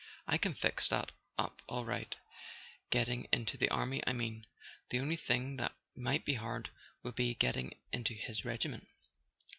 "I can fix that up all right; getting into the army, I mean. The only thing that might be hard would be getting into his regiment."